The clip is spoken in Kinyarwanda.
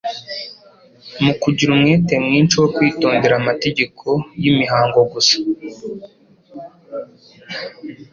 Mu kugira umwete mwinshi wo kwitondera amategeko y'imihango gusa,